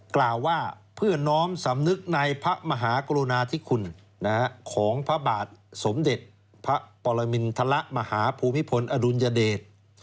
กล่าวว่าเพื่อน้อมสำนึกในพระมหากรุณาธิคุณของพระบาทสมเด็จพระปรมินทรมาหาภูมิพลอดุลยเดช